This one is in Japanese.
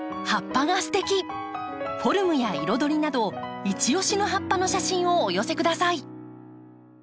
フォルムや彩りなどいち押しの葉っぱの写真をお寄せください。